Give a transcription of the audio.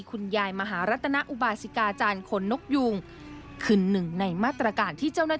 คุณยายมหารัตนอุบาสิกาจารย์คนนกยุงคือหนึ่งในมาตรการที่เจ้าหน้าที่